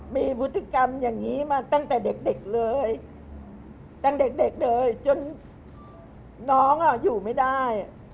มีพฤติกรรมอย่างนี้มาตั้งแต่เด็กเลยตั้งแต่เด็กเลยจนน้องอยู่ไม่ได้